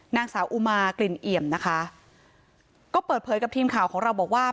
นางสาวอุมากลิ่นเอี่ยมนะคะก็เปิดเผยกับทีมข่าวของเราบอกว่า